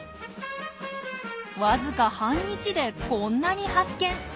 わずか半日でこんなに発見！